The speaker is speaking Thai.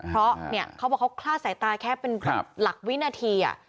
เพราะเขาบอกเขาคลาดสายตาแค่เป็นหลักวินาที